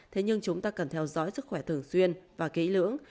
thế nhưng chúng ta cần theo dõi sức khỏe thường xuyên và kỹ lưỡng